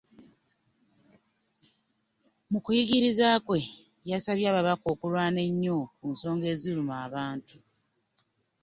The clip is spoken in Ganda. Mu kuyigiriza kwe, yasabye ababaka okulwana ennyo ku nsonga eziruma abantu